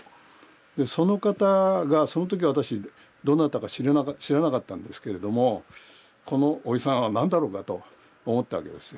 その方がその時私どなたか知らなかったんですけれどもこのおじさんは何だろうかと思ったわけですよ。